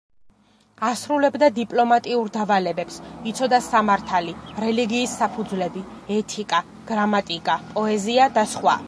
ასრულებდა დიპლომატიურ დავალებებს, იცოდა სამართალი, რელიგიის საფუძვლები, ეთიკა, გრამატიკა, პოეზია და სხვა.